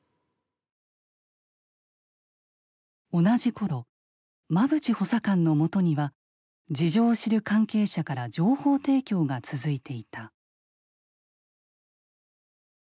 同じ頃馬淵補佐官のもとには事情を知る関係者から情報提供が続いていた。